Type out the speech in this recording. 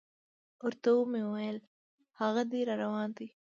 ورته مې وویل: هاغه دی را روان دی.